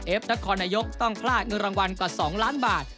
นครนายกต้องพลาดเงินรางวัลกว่า๒ล้านบาท